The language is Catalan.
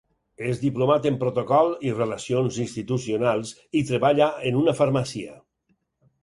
És diplomat en Protocol i Relacions Institucionals i treballa en una farmàcia.